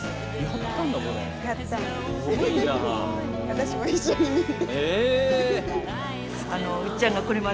私も一緒に見て。